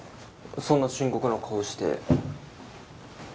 そんな深刻な顔して。